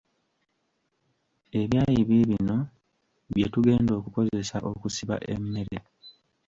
Ebyayi biibino bye tugenda okukozesa okusiba emmere.